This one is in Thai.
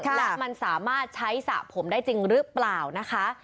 และมันสามารถใช้สระผมได้จริงหรือเปล่านะคะ